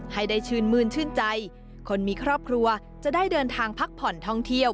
ให้ได้ชื่นมืนชื่นใจคนมีครอบครัวจะได้เดินทางพักผ่อนท่องเที่ยว